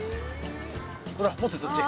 ほら持ってそっち。